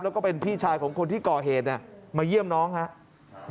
แล้วก็เป็นพี่ชายของคนที่ก่อเหตุเนี่ยมาเยี่ยมน้องครับ